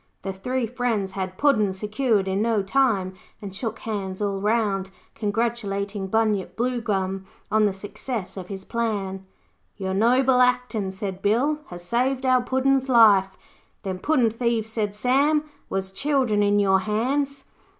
The three friends had Puddin' secured in no time, and shook hands all round, congratulating Bunyip Bluegum on the success of his plan. 'Your noble actin',' said Bill, 'has saved our Puddin's life.' 'Them puddin' thieves,' said Sam, 'was children in your hands.'